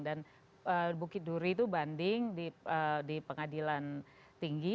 dan bukit duri itu banding di pengadilan tinggi